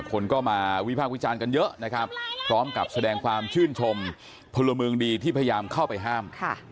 คนก็มาวิพากษ์วิจารณ์กันเยอะนะครับพร้อมกับแสดงความชื่นชมพลเมืองดีที่พยายามเข้าไปห้าม